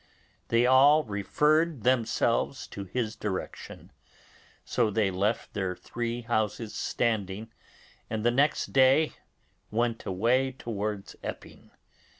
They all referred themselves to his direction, so they left their three houses standing, and the next day went away towards Epping.